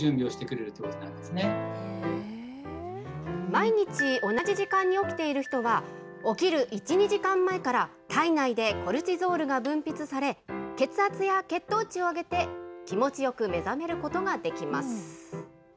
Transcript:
毎日同じ時間に起きている人は、起きる１、２時間前から体内でコルチゾールが分泌され、血圧や血糖値を上げて、気持ちよく目覚めることができます。